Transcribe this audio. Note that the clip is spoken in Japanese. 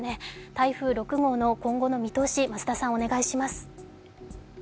台風６号の今後の見通し、増田さん、お願いします。